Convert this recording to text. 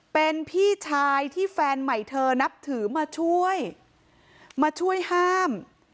เป็นพี่ชายที่แฟนใหม่เธอนับถือมาช่วยมาช่วยห้าม